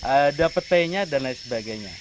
ada petainya dan lain sebagainya